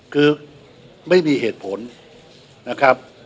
คือไม่มีเหตุผลนะครับ